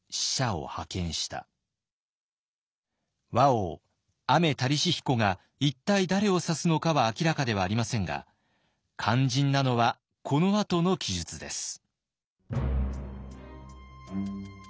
倭王アメタリシヒコが一体誰を指すのかは明らかではありませんが肝心なのはこのあとの記述です。